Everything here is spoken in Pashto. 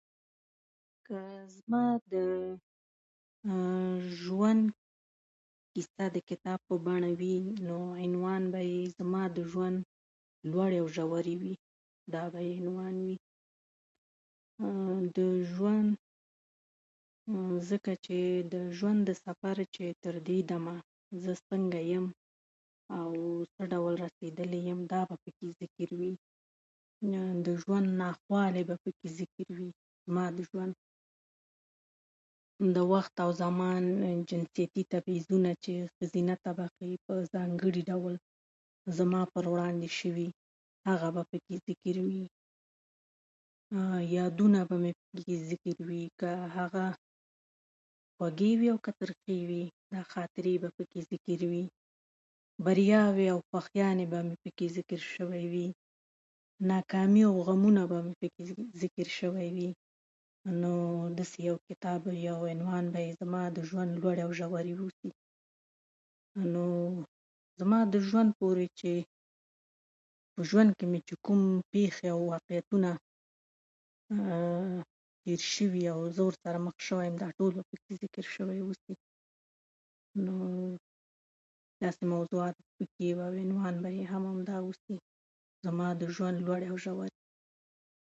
که زما د ژوند کیسه د کتاب په بڼه وي، نو عنوان به یې زما د ژوند لوړې او ژورې وي. دا به یې عنوان وي. د ژوند، ځکه چې د ژوند د سفر [unintelligible] تر دې دمه څنګه یم او څه ډول رسېدلې یم، دا به پکې ذکر وي. نو د ژوند ناخوالې به پکې ذکر وي. زما د ژوند د وخت او زمان جنسیتي تبعیضونه چې ښځینه طبقه یې په ځانګړي ډول زما پر وړاندې شوي، هغه به پکې ذکر وي. یادونه به مې پکې ذکر وي، که هغه خوږې وي، که هغه ترخې، هغه خاطرې به پکې ذکر وي. بریاوې او خوښیانې به مې پکې ذکر شوي وي. ناکامي او غمونه به مې پکې ذکر شوي وي. نو داسې یو کتاب به وي، یو عنوان به یې زما د ژوند لوړې او ژورې اوسي. نو زما د ژوند پورې، چې په ژوند کې مې چې کوم پېښې او واقعیتونه تېر شوي او زه ورسره مخ شوې یم، دا ټول به پکې ذکر شوي اوسي. نو داسې موضوعات به [unintelligible] نو عنوان به یې هم همدا اوسي: زما د ژوند لوړې ژورې.